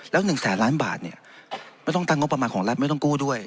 แล้ว๑แสนล้านบาทเนี่ยไม่ต้องตั้งงบประมาณของรัฐไม่ต้องกู้ด้วย